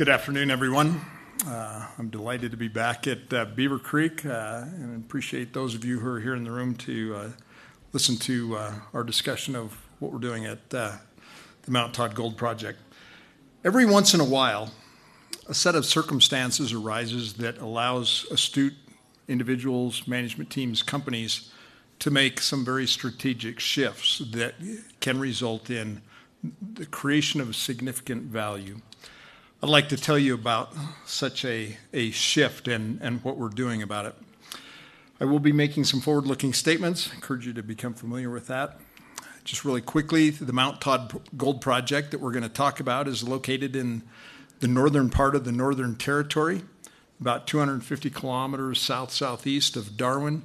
Good afternoon, everyone. I'm delighted to be back at Beaver Creek and appreciate those of you who are here in the room to listen to our discussion of what we're doing at the Mount Todd Gold Project. Every once in a while, a set of circumstances arises that allows astute individuals, management teams, companies to make some very strategic shifts that can result in the creation of significant value. I'd like to tell you about such a shift and what we're doing about it. I will be making some forward-looking statements. I encourage you to become familiar with that. Just really quickly, the Mount Todd Gold Project that we're going to talk about is located in the northern part of the Northern Territory, about 250 km south-southeast of Darwin,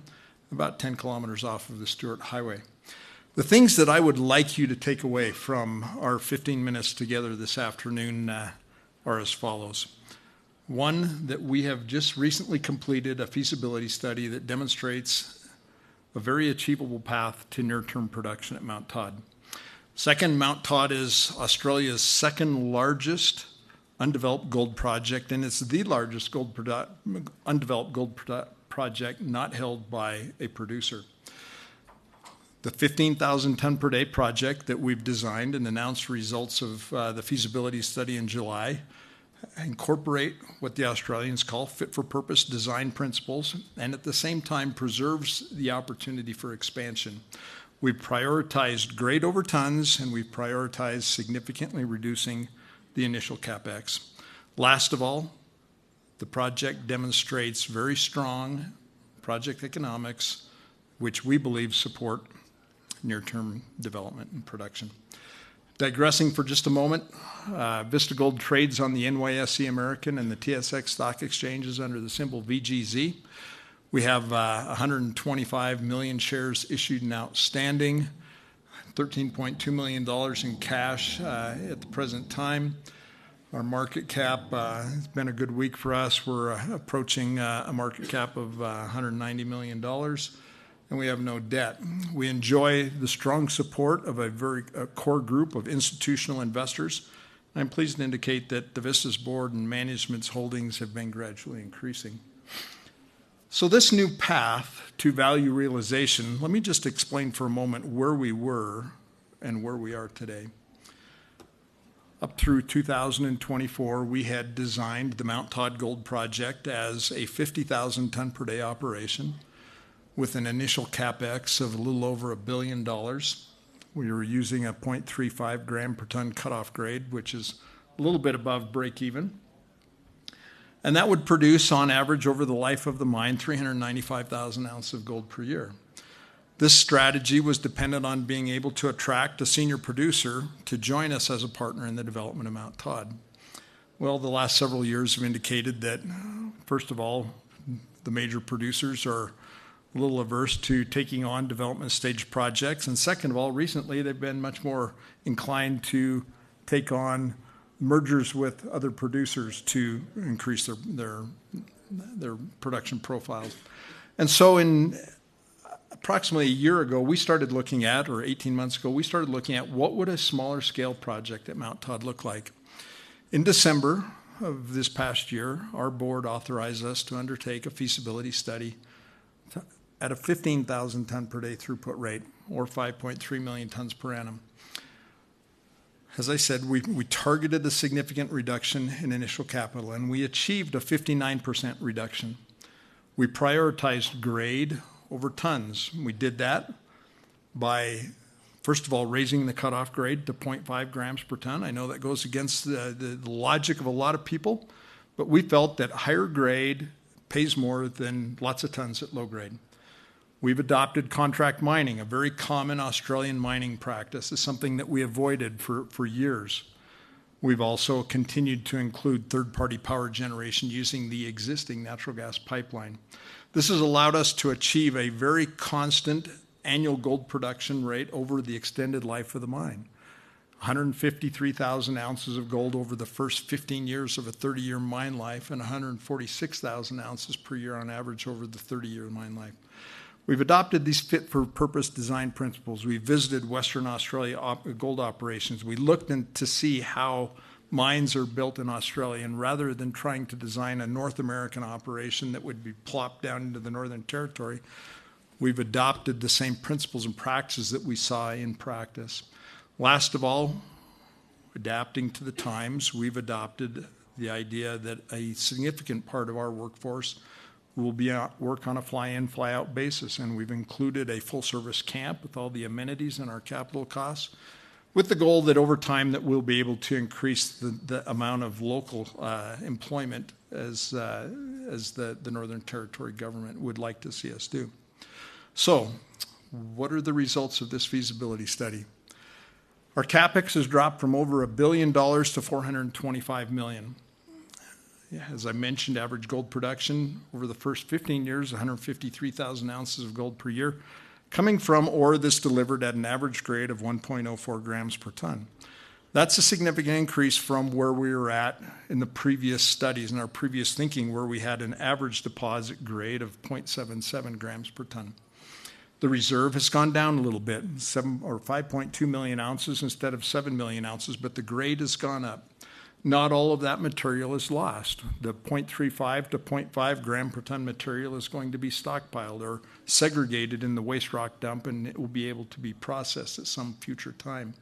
about 10 km off of the Stuart Highway. The things that I would like you to take away from our 15 minutes together this afternoon are as follows: one, that we have just recently completed a feasibility study that demonstrates a very achievable path to near-term production at Mount Todd. Second, Mount Todd is Australia's second largest undeveloped gold project, and it's the largest undeveloped gold project not held by a producer. The 15,000 tonne per day project that we've designed and announced results of the feasibility study in July incorporates what the Australians call fit-for-purpose design principles, and at the same time preserves the opportunity for expansion. We've prioritized grade over tonnes, and we've prioritized significantly reducing the initial CapEx. Last of all, the project demonstrates very strong project economics, which we believe support near-term development and production. Digressing for just a moment, Vista Gold trades on the NYSE American and the TSX stock exchanges under the symbol VGZ. We have 125 million shares issued and outstanding, $13.2 million in cash at the present time. Our market cap has been a good week for us. We're approaching a market cap of $190 million, and we have no debt. We enjoy the strong support of a very core group of institutional investors. I'm pleased to indicate that the Vista's board and management's holdings have been gradually increasing. So this new path to value realization, let me just explain for a moment where we were and where we are today. Up through 2024, we had designed the Mount Todd Gold Project as a 50,000 tonne per day operation with an initial CapEx of a little over a billion dollars. We were using a 0.35 gram per tonne cutoff grade, which is a little bit above break-even, and that would produce on average over the life of the mine 395,000 ounces of gold per year. This strategy was dependent on being able to attract a senior producer to join us as a partner in the development of Mount Todd. Well, the last several years have indicated that, first of all, the major producers are a little averse to taking on development stage projects, and second of all, recently they've been much more inclined to take on mergers with other producers to increase their production profiles. And so approximately a year ago, we started looking at, or 18 months ago, we started looking at what would a smaller scale project at Mount Todd look like. In December of this past year, our board authorized us to undertake a feasibility study at a 15,000 tonne per day throughput rate or 5.3 million tonnes per annum. As I said, we targeted the significant reduction in initial capital, and we achieved a 59% reduction. We prioritized grade over tonnes. We did that by, first of all, raising the cutoff grade to 0.5 g per tonne. I know that goes against the logic of a lot of people, but we felt that higher grade pays more than lots of tonnes at low grade. We've adopted contract mining, a very common Australian mining practice, as something that we avoided for years. We've also continued to include third-party power generation using the existing natural gas pipeline. This has allowed us to achieve a very constant annual gold production rate over the extended life of the mine: 153,000 ounces of gold over the first 15 years of a 30-year mine life and 146,000 ounces per year on average over the 30-year mine life. We've adopted these fit-for-purpose design principles. We visited Western Australia gold operations. We looked to see how mines are built in Australia, and rather than trying to design a North American operation that would be plopped down into the Northern Territory, we've adopted the same principles and practices that we saw in practice. Last of all, adapting to the times, we've adopted the idea that a significant part of our workforce will work on a fly-in, fly-out basis, and we've included a full-service camp with all the amenities and our capital costs, with the goal that over time that we'll be able to increase the amount of local employment as the Northern Territory Government would like to see us do. So what are the results of this feasibility study? Our CapEx has dropped from over $1 billion to $425 million. As I mentioned, average gold production over the first 15 years, 153,000 ounces of gold per year coming from ore that's delivered at an average grade of 1.04 g per tonne. That's a significant increase from where we were at in the previous studies and our previous thinking, where we had an average deposit grade of 0.77 g per tonne. The reserve has gone down a little bit, or 5.2 million ounces instead of 7 million ounces, but the grade has gone up. Not all of that material is lost. The 0.35-0.5 gram per tonne material is going to be stockpiled or segregated in the waste rock dump, and it will be able to be processed at some future time.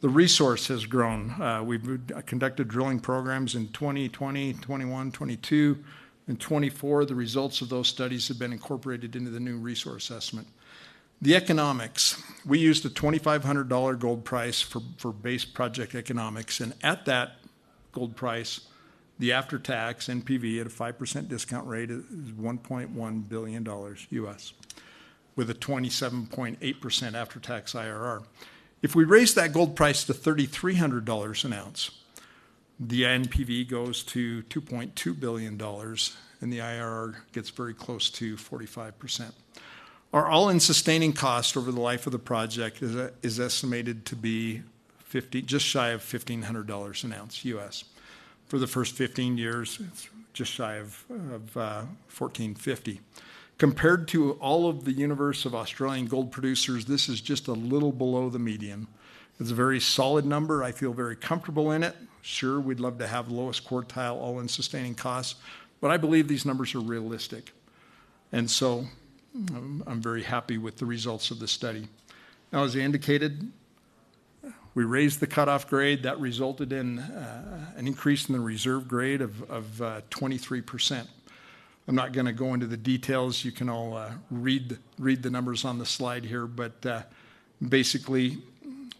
The resource has grown. We've conducted drilling programs in 2020, 2021, 2022, and 2024. The results of those studies have been incorporated into the new resource assessment. The economics, we used a $2,500 gold price for base project economics, and at that gold price, the after-tax NPV at a 5% discount rate is $1.1 billion US, with a 27.8% after-tax IRR. If we raise that gold price to $3,300 an ounce, the NPV goes to $2.2 billion, and the IRR gets very close to 45%. Our all-in sustaining cost over the life of the project is estimated to be just shy of $1,500 an ounce U.S. For the first 15 years, it's just shy of $1,450. Compared to all of the universe of Australian gold producers, this is just a little below the median. It's a very solid number. I feel very comfortable in it. Sure, we'd love to have the lowest quartile all-in sustaining costs, but I believe these numbers are realistic. And so I'm very happy with the results of the study. Now, as I indicated, we raised the cutoff grade. That resulted in an increase in the reserve grade of 23%. I'm not going to go into the details. You can all read the numbers on the slide here, but basically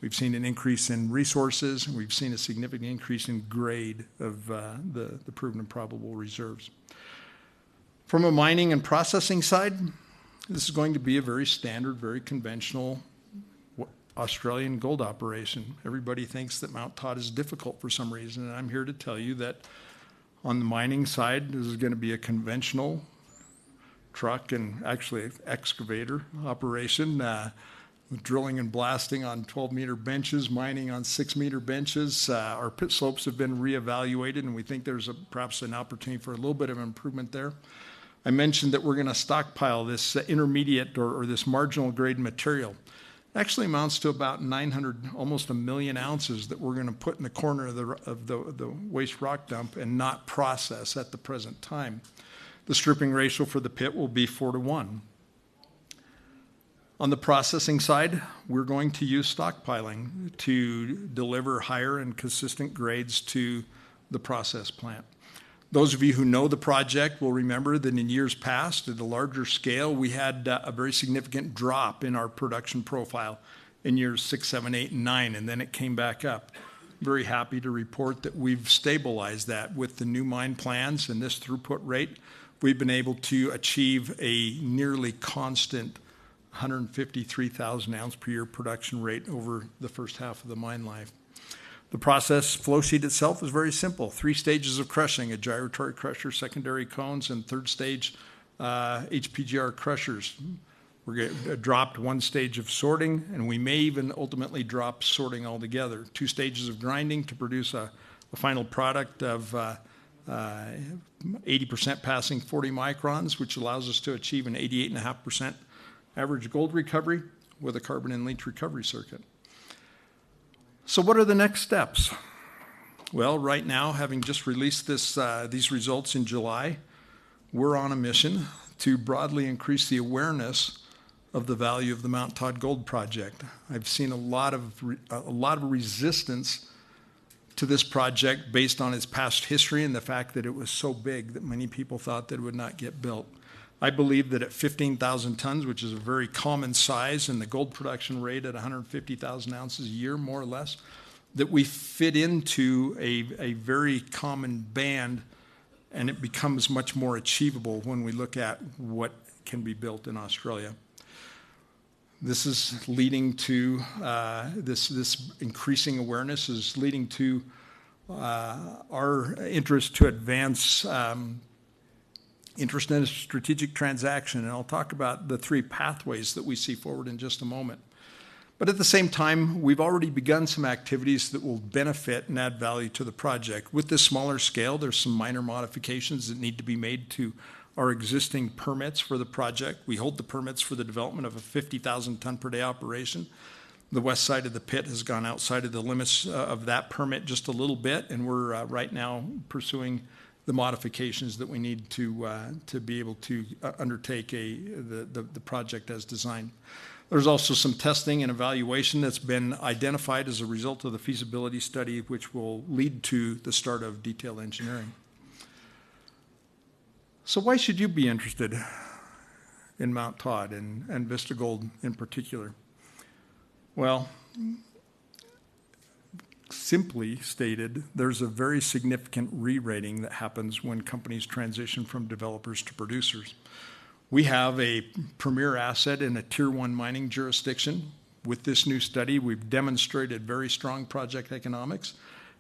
we've seen an increase in resources, and we've seen a significant increase in grade of the proven and probable reserves. From a mining and processing side, this is going to be a very standard, very conventional Australian gold operation. Everybody thinks that Mount Todd is difficult for some reason, and I'm here to tell you that on the mining side, this is going to be a conventional truck and actually excavator operation, drilling and blasting on 12 m benches, mining on six-meter benches. Our pit slopes have been reevaluated, and we think there's perhaps an opportunity for a little bit of improvement there. I mentioned that we're going to stockpile this intermediate or this marginal grade material. It actually amounts to about 900, almost a million ounces that we're going to put in the corner of the waste rock dump and not process at the present time. The stripping ratio for the pit will be four to one. On the processing side, we're going to use stockpiling to deliver higher and consistent grades to the process plant. Those of you who know the project will remember that in years past, at a larger scale, we had a very significant drop in our production profile in years 6, 7, 8, and 9, and then it came back up. Very happy to report that we've stabilized that with the new mine plans and this throughput rate. We've been able to achieve a nearly constant 153,000 ounce per year production rate over the first half of the mine life. The process flow sheet itself is very simple. Three stages of crushing: a gyratory crusher, secondary cones, and third stage HPGR crushers. We dropped one stage of sorting, and we may even ultimately drop sorting altogether. Two stages of grinding to produce a final product of 80% passing 40 microns, which allows us to achieve an 88.5% average gold recovery with a carbon-in-leach recovery circuit. So what are the next steps? Well, right now, having just released these results in July, we're on a mission to broadly increase the awareness of the value of the Mount Todd Gold Project. I've seen a lot of resistance to this project based on its past history and the fact that it was so big that many people thought that it would not get built. I believe that at 15,000 tonnes, which is a very common size and the gold production rate at 150,000 ounces a year, more or less, that we fit into a very common band, and it becomes much more achievable when we look at what can be built in Australia. This is leading to this increasing awareness is leading to our interest to advance interest in a strategic transaction, and I'll talk about the three pathways that we see forward in just a moment. But at the same time, we've already begun some activities that will benefit and add value to the project. With this smaller scale, there are some minor modifications that need to be made to our existing permits for the project. We hold the permits for the development of a 50,000 tonnes per day operation. The west side of the pit has gone outside of the limits of that permit just a little bit, and we're right now pursuing the modifications that we need to be able to undertake the project as designed. There's also some testing and evaluation that's been identified as a result of the feasibility study, which will lead to the start of detailed engineering. So why should you be interested in Mount Todd and Vista Gold in particular? Well, simply stated, there's a very significant rerating that happens when companies transition from developers to producers. We have a premier asset in a tier one mining jurisdiction. With this new study, we've demonstrated very strong project economics,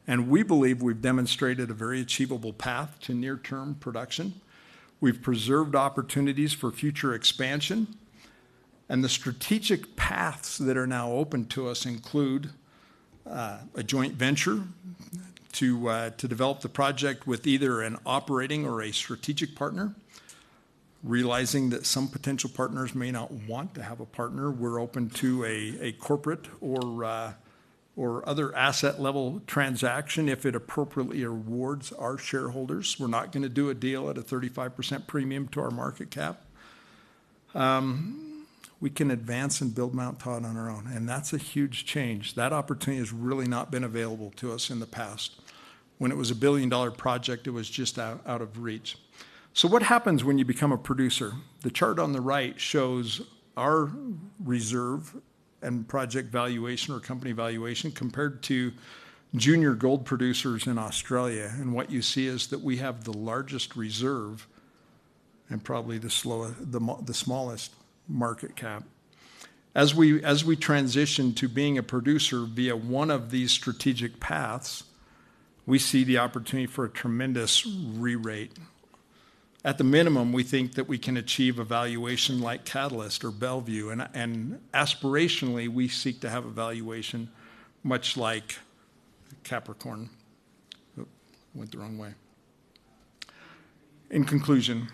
and we believe we've demonstrated a very achievable path to near-term production. We've preserved opportunities for future expansion, and the strategic paths that are now open to us include a joint venture to develop the project with either an operating or a strategic partner. Realizing that some potential partners may not want to have a partner, we're open to a corporate or other asset-level transaction if it appropriately awards our shareholders. We're not going to do a deal at a 35% premium to our market cap. We can advance and build Mount Todd on our own, and that's a huge change. That opportunity has really not been available to us in the past. When it was a billion-dollar project, it was just out of reach. So what happens when you become a producer? The chart on the right shows our reserve and project valuation or company valuation compared to junior gold producers in Australia, and what you see is that we have the largest reserve and probably the smallest market cap. As we transition to being a producer via one of these strategic paths, we see the opportunity for a tremendous rerate. At the minimum, we think that we can achieve a valuation like Catalyst or Bellevue, and aspirationally, we seek to have a valuation much like Capricorn. Went the wrong way. In conclusion,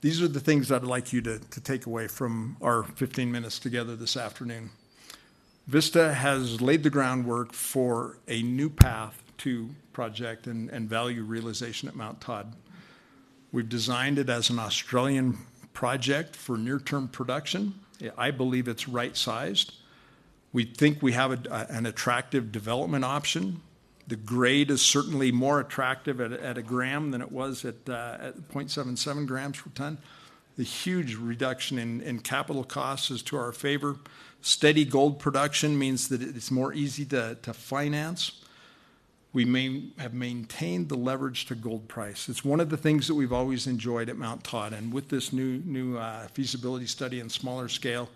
these are the things I'd like you to take away from our 15 minutes together this afternoon. Vista has laid the groundwork for a new path to project and value realization at Mount Todd. We've designed it as an Australian project for near-term production. I believe it's right-sized. We think we have an attractive development option. The grade is certainly more attractive at a gram than it was at 0.77 g per tonne. The huge reduction in capital costs is to our favor. Steady gold production means that it's more easy to finance. We have maintained the leverage to gold price. It's one of the things that we've always enjoyed at Mount Todd. And with this new feasibility study and smaller scale,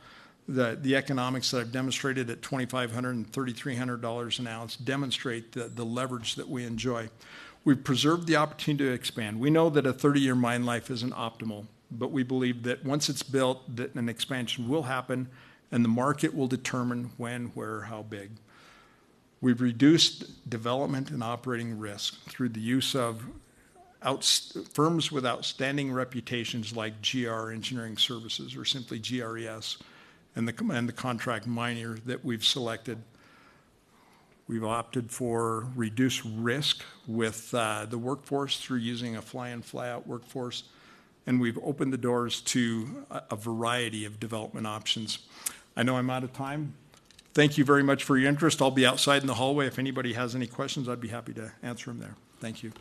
the economics that I've demonstrated at $2,500 and $3,300 an ounce demonstrate the leverage that we enjoy. We've preserved the opportunity to expand. We know that a 30-year mine life isn't optimal, but we believe that once it's built, that an expansion will happen and the market will determine when, where, how big. We've reduced development and operating risk through the use of firms with outstanding reputations like GR Engineering Services or simply GRES and the contract miner that we've selected. We've opted for reduced risk with the workforce through using a fly-in, fly-out workforce, and we've opened the doors to a variety of development options. I know I'm out of time. Thank you very much for your interest. I'll be outside in the hallway. If anybody has any questions, I'd be happy to answer them there. Thank you.